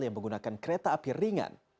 yang menggunakan kereta api ringan